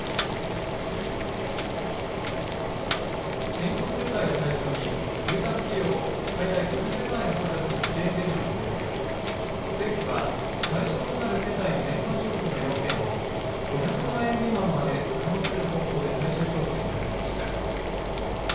新婚世帯を対象に住宅費用を最大６０万円補助する支援事業について政府は対象となる世帯の年間所得の要件を５００万円未満まで緩和する方向で最終調整に入りました。